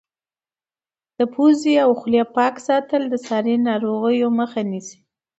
د پوزې او خولې پاک ساتل د ساري ناروغیو مخه نیسي.